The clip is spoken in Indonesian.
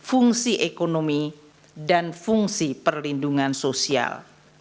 fungsi ekonomi dan fungsi perlindungan sosial